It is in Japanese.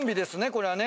これはね